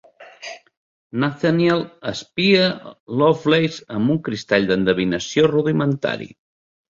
Nathaniel espia Lovelace amb un cristall d'endevinació rudimentari.